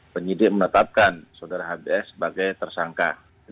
penyidik menetapkan saudara hbs sebagai tersangka